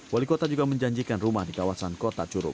wali kota juga menjanjikan rumah di kawasan kota curug